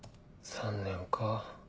３年か。